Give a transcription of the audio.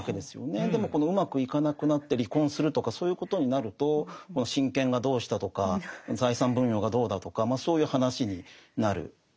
でもこのうまくいかなくなって離婚するとかそういうことになると親権がどうしたとか財産分与がどうだとかそういう話になる。